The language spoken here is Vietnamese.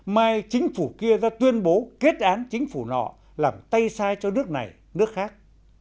mai chính phủ kia ra tuyên bố kết án chính phủ nọ làm tay sai cho nước này nước khác